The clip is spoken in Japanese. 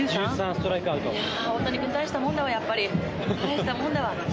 大谷君、大したもんだわ、やっぱり、大したもんだわ！